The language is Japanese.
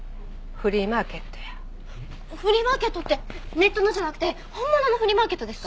フリーマーケットってネットのじゃなくて本物のフリーマーケットですか？